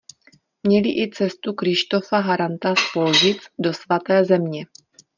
Měli i cestu Krištofa Haranta z Polžic do svaté země.